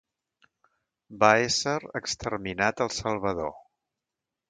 Va ésser exterminat al Salvador.